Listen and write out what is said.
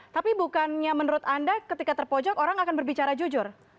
tapi bukannya menurut anda ketika terpojok orang akan berbicara jujur